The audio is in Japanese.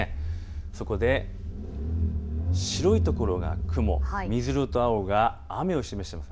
そこで白いところが雲、水色と青が雨を示しています。